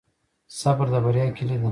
صبر د بریا کلي ده.